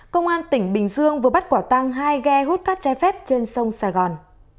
công an tỉnh bình dương vừa bắt quả tang hai ghe hút cát trái phép trên sông sài gòn